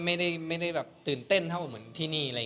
เมื่อกี้เตือนเต้นที่เหมือนที่นี่